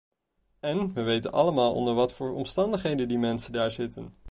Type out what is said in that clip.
En we weten allemaal onder wat voor omstandigheden die mensen daar zitten.